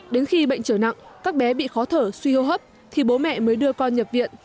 đến khi bệnh trở nặng các bé bị khó thở suy hô hấp thì bố mẹ mới đưa con nhập viện